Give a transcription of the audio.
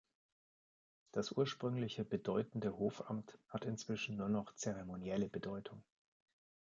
Das ursprüngliche bedeutende Hofamt hat inzwischen nur noch zeremonielle Bedeutung.